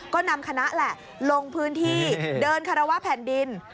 ก็นำคณะแหละลงพื้นที่เดินคารวะแผ่นดิน